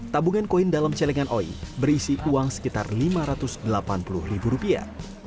tabungan koin dalam celengan oi berisi uang sekitar lima ratus delapan puluh ribu rupiah